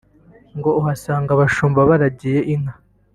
ngo uhasanga abashumba baharagiye inka